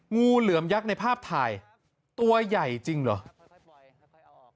งูเหลือมยักษ์ในภาพถ่ายตัวใหญ่จริงเหรอ